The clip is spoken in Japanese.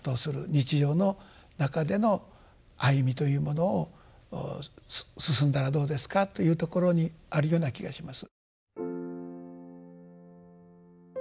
日常の中での歩みというものを進んだらどうですかというところにあるような気がします。